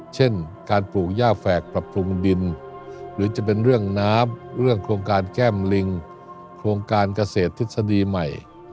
เช่นการปลูกย่าแฝกปรับปรุงดินหรือจะเป็นเรื่องน้ำเรื่องโครงการแก้มลิงโครงการเกษตรทฤษฎีใหม่